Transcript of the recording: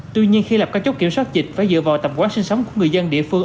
tuy nhiên khi lập các chốt kiểm soát dịch phải dựa vào tập quán sinh sống của người dân địa phương